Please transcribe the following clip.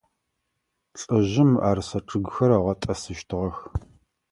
Лӏыжъым мыӏэрысэ чъыгхэр ыгъэтӏысыщтыгъэх.